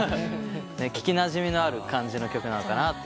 聞きなじみのある感じの曲なのかなと。